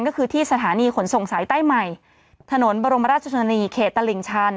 ก็คือที่สถานีขนส่งสายใต้ใหม่ถนนบรมราชชนนีเขตตลิ่งชัน